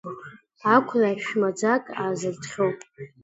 Ақәра, шә-маӡак аазыртхьоу…